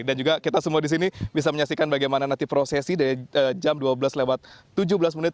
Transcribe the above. dan juga kita semua di sini bisa menyaksikan bagaimana nanti prosesi dari jam dua belas lewat tujuh belas menit